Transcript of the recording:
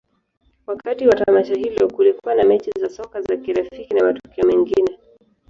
Wakati wa tamasha hilo, kulikuwa na mechi za soka za kirafiki na matukio mengine.